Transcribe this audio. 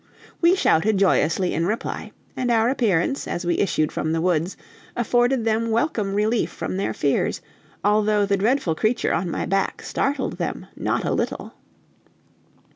We shouted joyously in reply, and our appearance, as we issued from the woods, afforded them welcome relief from their fears, although the dreadful creature on my back startled them not a little.